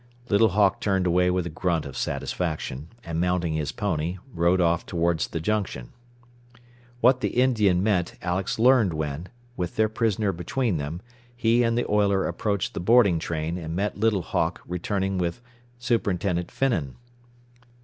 Little Hawk turned away with a grunt of satisfaction, and mounting his pony, rode off towards the junction. What the Indian meant Alex learned when, with their prisoner between them, he and the oiler approached the boarding train, and met Little Hawk returning with Superintendent Finnan.